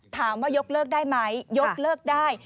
ยกเลิกได้ไหมยกเลิกได้